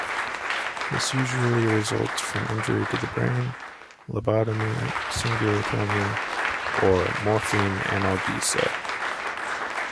This usually results from injury to the brain, lobotomy, cingulotomy or morphine analgesia.